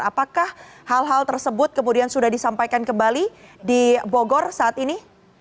apakah hal hal tersebut kemudian sudah disampaikan kembali di bogor saat ini